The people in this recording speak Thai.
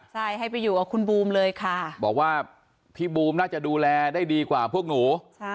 ใช่ให้ไปอยู่กับคุณบูมเลยค่ะบอกว่าพี่บูมน่าจะดูแลได้ดีกว่าพวกหนู